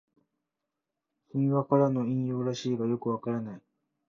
神話からの引用らしいがよくわからない